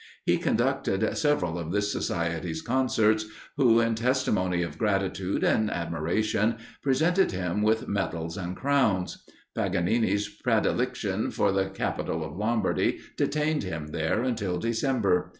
He conducted several of this society's concerts who, in testimony of gratitude and admiration, presented him with medals and crowns. Paganini's predilection for the capital of Lombardy detained him there until December.